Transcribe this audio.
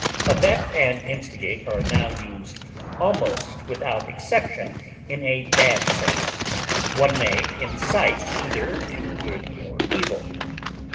Abet and instigate are now used almost without exception in a bad sense; one may incite either to good or evil.